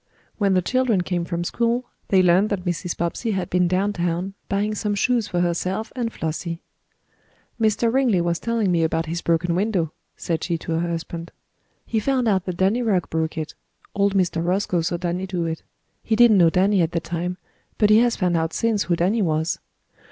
When the children came from school they learned that Mrs. Bobbsey had been down town, buying some shoes for herself and Flossie. "Mr. Ringley was telling me about his broken window," said she to her husband. "He found out that Danny Rugg broke it. Old Mr. Roscoe saw Danny do it. He didn't know Danny at the time, but he has found out since who Danny was."